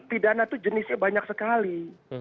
pidana itu jenisnya banyak sekali